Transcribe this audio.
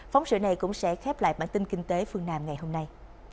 phóng sự này cũng sẽ khép lại bản tin kinh tế phương nam ngày hôm nay